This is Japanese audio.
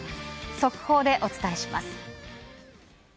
速報でお伝えします。